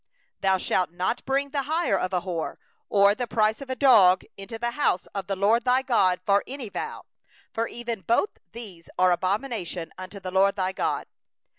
19Thou shalt not bring the hire of a harlot, or the price of a dog, into the house of the LORD thy God for any vow; for even both these are an abomination unto the LORD thy God.